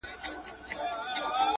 ژړي پاڼي به دي یو په یو توییږي -